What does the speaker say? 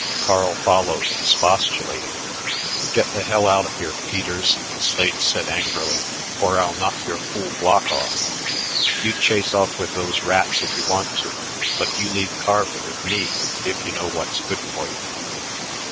Carl followed expostulating. "Get the hell out of here, Peters," Slade said angrily, "or I'll knock your fool block off. You chase off with those rats if you want to, but you leave Carver with me if you know what's good for you."